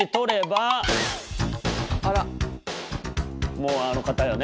もうあの方よね。